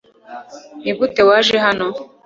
nigute waje hano